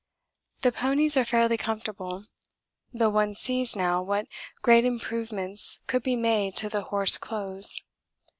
The ponies are fairly comfortable, though one sees now what great improvements could be made to the horse clothes.